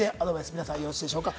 皆さんよろしいでしょうか？